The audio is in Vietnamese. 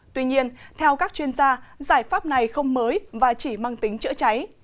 tuy nhiên theo các chuyên gia giải pháp này không mới và chỉ mang tính chữa cháy